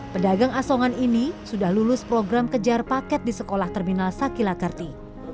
pedagang asongan ini sudah lulus program kejar paket di sekolah terminal sakila kerti